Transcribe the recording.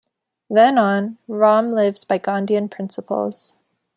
Then on, Ram lives by Gandhian principles.